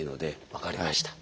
分かりました。